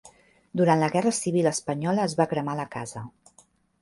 Durant la Guerra Civil Espanyola es va cremar la casa.